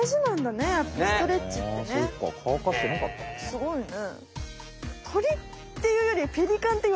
すごいね。